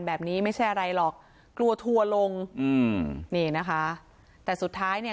ไม่ใช่อะไรหรอกกลัวทัวร์ลงอืมนี่นะคะแต่สุดท้ายเนี่ย